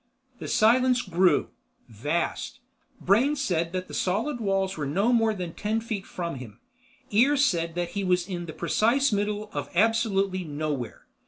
The silence grew—vast. Brain said that the solid walls were no more than ten feet from him; ears said that he was in the precise middle of absolutely nowhere.